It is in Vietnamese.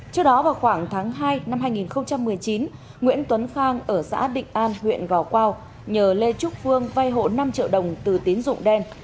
trước đó vào khoảng tháng hai năm hai nghìn một mươi chín nguyễn tuấn khang ở xã định an huyện gò quao nhờ lê trúc phương vay hộ năm triệu đồng từ tín dụng đen